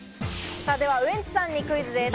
ウエンツさんにクイズです。